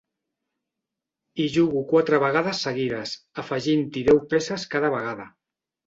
Hi jugo quatre vegades seguides, afegint-hi deu peces cada vegada.